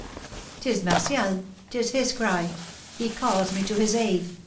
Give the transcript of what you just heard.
"'Tis Martial 'tis his cry! He calls me to his aid!"